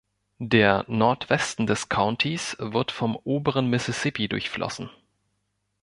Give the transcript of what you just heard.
Der Nordwesten des Countys wird von oberen Mississippi durchflossen.